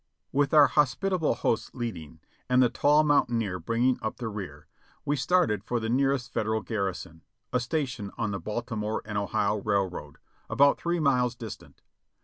With our hospitable host leading, and the tall mountaineer bringing up the rear, we started for the nearest Federal garrison, a station on the Baltimore and Ohio railroad, about three miles distant.